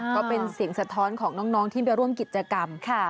ก็เป็นเสียงสะท้อนของน้องที่ไปร่วมกิจกรรม